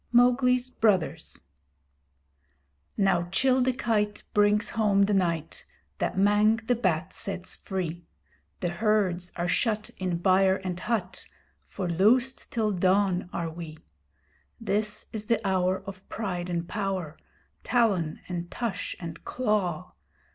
MOWGLI'S BROTHERS Now Chil the Kite brings home the night That Mang the Bat sets free The herds are shut in byre and hut For loosed till dawn are we. This is the hour of pride and power, Talon and tush and claw.